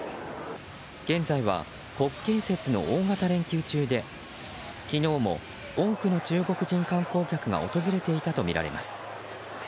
現在は、国慶節の大型連休中で昨日も多くの中国人観光客が訪れていたとみられます。